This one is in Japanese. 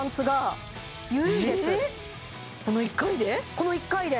この１回で？